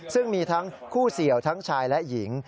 ซึ่งมีทั้งคู่เสี่ยวทั้งชายและหญิง